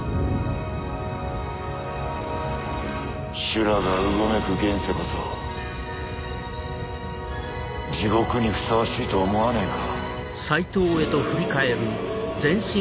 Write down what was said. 修羅がうごめく現世こそ地獄にふさわしいと思わねえか？